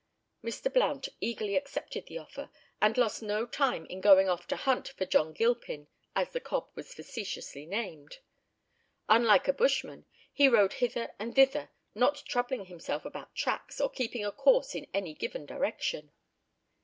Mr. Blount eagerly accepted the offer, and lost no time in going off to hunt for "John Gilpin" as the cob was facetiously named. Unlike a bushman, he rode hither and thither, not troubling himself about tracks, or keeping a course in any given direction.